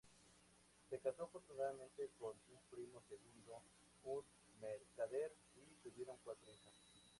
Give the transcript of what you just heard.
Se casó afortunadamente con un primo segundo, un mercader, y tuvieron cuatro hijas.